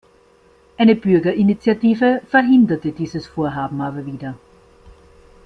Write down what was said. Eine Bürgerinitiative verhinderte dieses Vorhaben aber wieder.